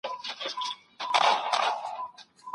ډېره ډوډۍ ماڼۍ ته وړل سوې ده.